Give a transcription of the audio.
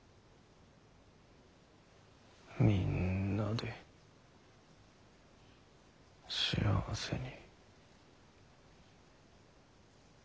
みんなで幸せに。